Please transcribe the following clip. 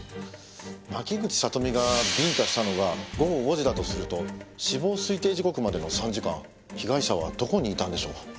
牧口里美がビンタしたのが午後５時だとすると死亡推定時刻までの３時間被害者はどこにいたんでしょう？